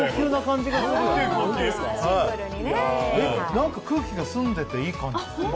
何か空気が澄んでていい感じ。